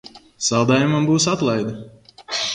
Saldējumam būs atlaide!